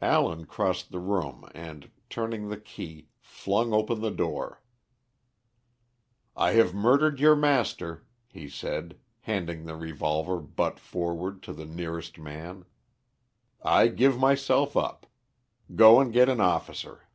Allen crossed the room and, turning the key, flung open the door. "I have murdered your master," he said, handing the revolver butt forward to the nearest man. "I give myself up. Go and get an officer."